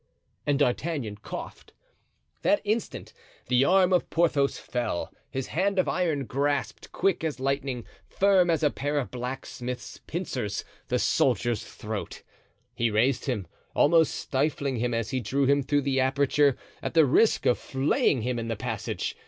And D'Artagnan coughed. That instant the arm of Porthos fell. His hand of iron grasped, quick as lightning, firm as a pair of blacksmith's pincers, the soldier's throat. He raised him, almost stifling him as he drew him through the aperture, at the risk of flaying him in the passage.